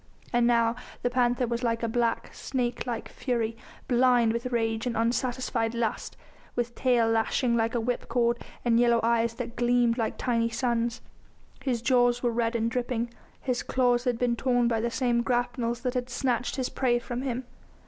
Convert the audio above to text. And now the panther was like a black, snake like fury, blind with rage and unsatisfied lust, with tail lashing like a whipcord and yellow eyes that gleamed like tiny suns. His jaws were red and dripping, his claws had been torn by the same grapnels that had snatched his prey from him.